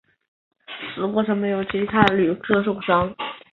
此过程没有其他旅客受伤。